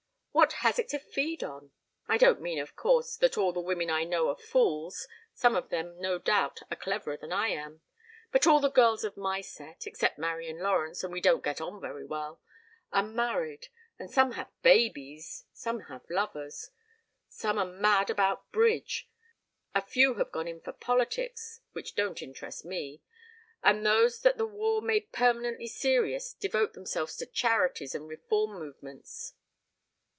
What has it to feed on? I don't mean, of course, that all the women I know are fools. Some of them no doubt are cleverer than I am. But all the girls of my set except Marian Lawrence, and we don't get on very well are married; and some have babies, some have lovers, some are mad about bridge, a few have gone in for politics, which don't interest me, and those that the war made permanently serious devote themselves to charities and reform movements.